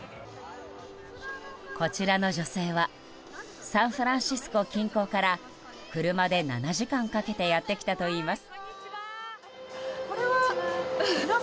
こちらの女性はサンフランシスコ近郊から車で７時間かけてやってきたといいます。